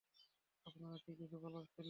আপনার কী কিছু বলার ছিল?